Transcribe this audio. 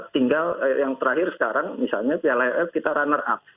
tinggal yang terakhir sekarang misalnya piala eff kita runner up